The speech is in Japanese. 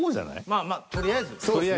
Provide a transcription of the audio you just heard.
まあまあとりあえず。